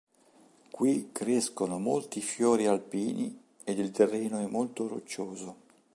Qui crescono molti fiori alpini ed il terreno è molto roccioso.